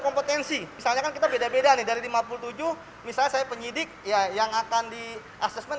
kompetensi misalnya kan kita beda beda nih dari lima puluh tujuh misalnya saya penyidik ya yang akan di assessment